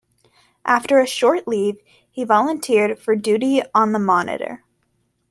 After a short leave, he volunteered for duty on the "Monitor".